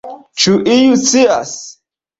Ĉu iu scias?